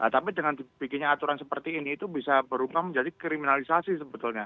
tapi dengan dibikinnya aturan seperti ini itu bisa berubah menjadi kriminalisasi sebetulnya